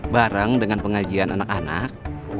bareng dengan pengajian anak anak